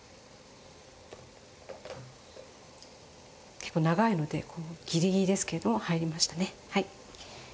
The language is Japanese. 結構長いのでこうギリギリですけれども入りましたね。